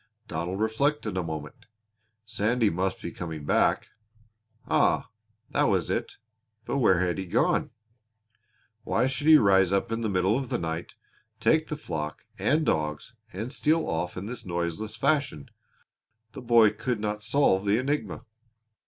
Donald reflected a moment. Sandy must be coming back. Ah, that was it! But where had he gone? Why should he rise up in the middle of the night, take the flock and dogs, and steal off in this noiseless fashion? The boy could not solve the enigma.